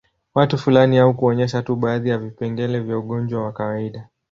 Watu fulani au kuonyesha tu baadhi ya vipengele vya ugonjwa wa kawaida